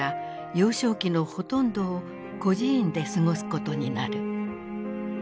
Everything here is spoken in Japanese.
幼少期のほとんどを孤児院で過ごすことになる。